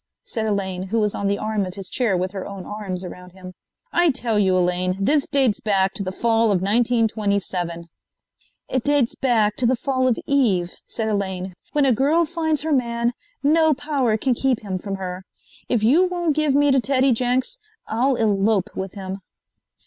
said Elaine, who was on the arm of his chair with her own arms around him. "I tell you, Elaine, this dates back to the fall of 1927." "It dates back to the fall of Eve," said Elaine. "When a girl finds her man, no power can keep him from her. If you won't give me to Teddy Jenks, I'll elope with him."